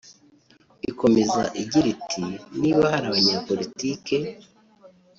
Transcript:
Ikomeza igira iti “Niba hari abanyapolitiki